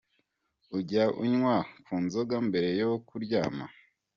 Ujya unywa ku nzoga mbere yo kuryama.